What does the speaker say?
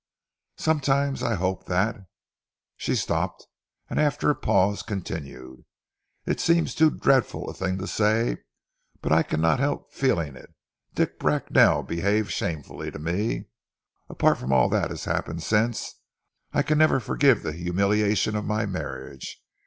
Sometimes I hope that " She stopped, and after a pause continued, "It seems too dreadful a thing to say, but I cannot help feeling it. Dick Bracknell behaved shamefully to me. Apart from all that has happened since, I can never forgive the humiliation of my marriage.